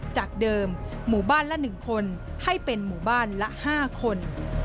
จากเดิมหมู่บ้านละ๑คนให้เป็นหมู่บ้านละ๕คน